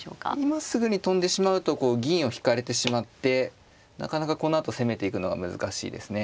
今すぐに跳んでしまうと銀を引かれてしまってなかなかこのあと攻めていくのが難しいですね。